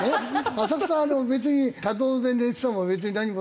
浅草別に車道で寝てても別に何も。